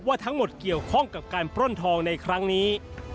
ว่าทั้งหมดเกี่ยวข้องกับการปล้นทองในครั้งนี้